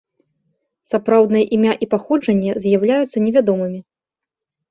Сапраўднае імя і паходжанне з'яўляюцца невядомымі.